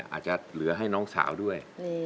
อาจจะเหลือให้น้องสาวด้วย